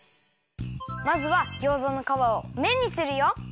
まずはギョーザのかわをめんにするよ！